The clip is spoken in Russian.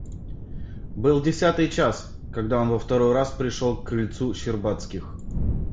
Был десятый час, когда он во второй раз пришел к крыльцу Щербацких.